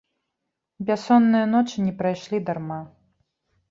Бяссонныя ночы не прайшлі дарма.